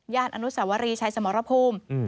ย่านอนุสาวรีชัยสมรภูมิ